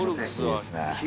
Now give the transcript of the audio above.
いいですね。